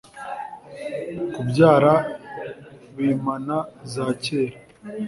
Kubyara bimana za kera